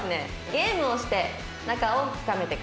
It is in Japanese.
ゲームをして仲を深めてください」